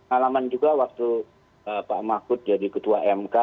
alaman juga waktu pak mahfud jadi ketua mk